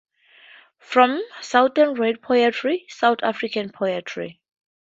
From: Southern Rain Poetry - South African Poetry.